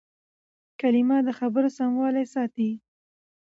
کلیمه د خبرو سموالی ساتي.